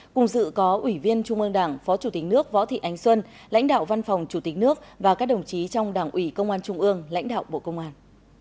cùng dự có ủy viên trung ương đảng phó chủ tịch nước võ thị ánh xuân lãnh đạo văn phòng chủ tịch nước và các đồng chí trong đảng ủy công an trung ương lãnh đạo bộ công an